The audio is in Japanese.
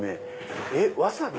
えっわさび⁉